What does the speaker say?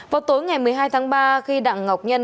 vào tối ngày một mươi hai tháng ba khi đặng ngọc nhân